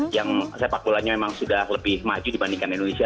yang sepak bolanya memang sudah lebih maju dibandingkan indonesia